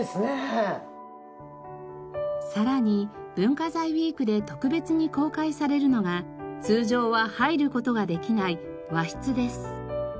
さらに文化財ウィークで特別に公開されるのが通常は入る事ができない和室です。